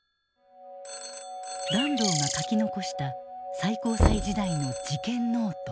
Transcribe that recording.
團藤が書き残した最高裁時代の事件ノート。